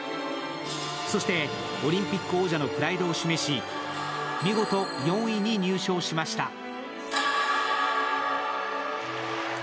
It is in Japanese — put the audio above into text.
そして、オリンピック王者のプライドを示し、見事４位に入賞しました。